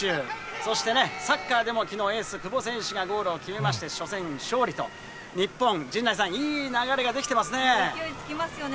そしてサッカーでもきのう、エース、久保選手がゴールを決めまして、初戦勝利と、日本、陣内さん、勢いつきますよね。